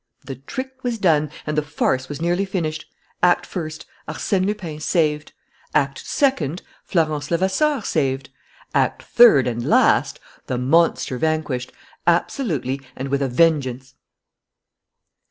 "The trick was done and the farce was nearly finished. Act first: Arsène Lupin saved. Act second: Florence Levasseur saved. Act third and last: the monster vanquished ... absolutely and with a vengeance!"